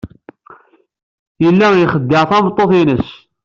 Yella ixeddeɛ tameṭṭut-nnes.